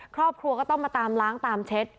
ครอบครัวก็ต้องมาตามล้างตามเช็ด